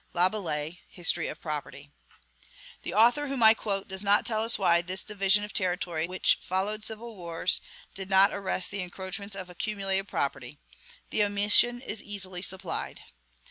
(Laboulaye: History of Property.) The author whom I quote does not tell us why this division of territory which followed civil wars did not arrest the encroachments of accumulated property; the omission is easily supplied.